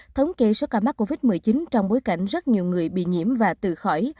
thống kê số ca mắc covid một mươi chín trong bối cảnh rất nhiều người bị nhiễm và từ khỏi